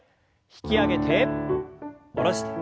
引き上げて下ろして。